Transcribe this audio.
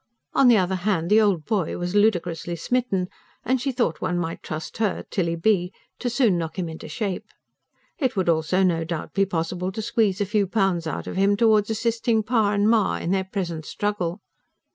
On the other hand, the old boy was ludicrously smitten; and she thought one might trust her, Tilly B., to soon knock him into shape. It would also, no doubt, be possible to squeeze a few pounds out of him towards assisting "pa and ma" in their present struggle.